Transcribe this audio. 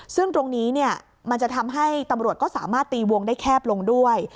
ซึ่งตรงนี้มันจะทำให้ตำรวจก็สามารถตีวงได้แคบลงด้วย